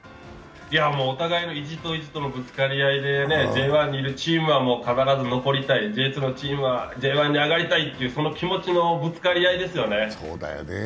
お互いの意地と意地とのぶつかり合いで、Ｊ１にいるチームは必ず残りたい、Ｊ２のチームはＪ１に上がりたいという気持ちのぶつかり合いですよね。